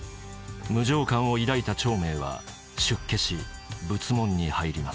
無常観を抱いた長明は出家し仏門に入ります。